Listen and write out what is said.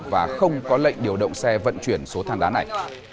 và không có lệnh điều động xe vận chuyển số than đá này